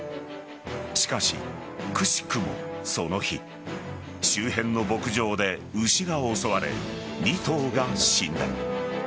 しかし、くしくもその日周辺の牧場で牛が襲われ２頭が死んだ。